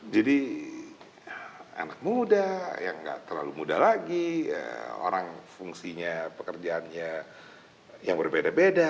jadi anak muda yang nggak terlalu muda lagi orang fungsinya pekerjaannya yang berbeda beda